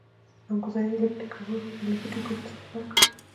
نامګذارې يې له بټې ګوتې څخه پیل کړل.